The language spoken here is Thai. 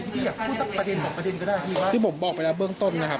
พูดประเด็นก็ได้ที่ผมบอกไปแล้วเบื้องต้นนะครับ